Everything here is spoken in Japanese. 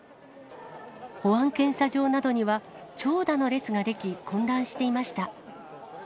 保安検査場などには、長蛇の列が出来、混乱していました。